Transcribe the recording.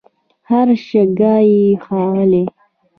هر شګه یې ښاغلې